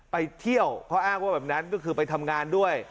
ไปเที่ยวเขาอ้างว่าแบบนั้นก็คือไปทำงานด้วย